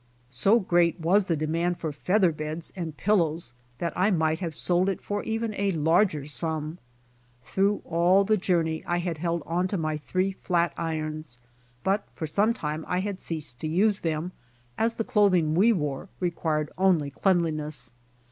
So great was the demand for feather beds and pillows that I might have sold it for even a larger sum. Through all the journey I had held on to m^ three flat irons, but for some time I had ceased to use them, as the clothing we wore required only cleanli ness.